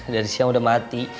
dari siang udah mati